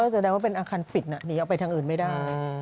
แสดงว่าเป็นอาคารปิดหนีออกไปทางอื่นไม่ได้